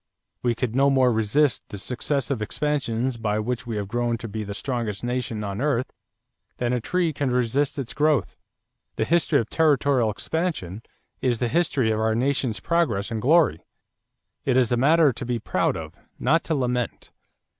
We could no more resist the successive expansions by which we have grown to be the strongest nation on earth than a tree can resist its growth. The history of territorial expansion is the history of our nation's progress and glory. It is a matter to be proud of, not to lament.